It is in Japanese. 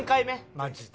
マジで。